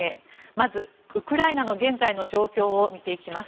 まず、ウクライナの現在の状況を見ていきます。